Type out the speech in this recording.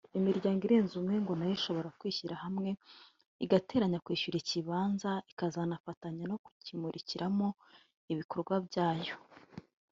Imiryango irenze umwe ngo nayo ishobora kwishyira hamwe igateranya kwishyura ikibanza ikazanafatanya no kukimurikiramo ibikorwa byayo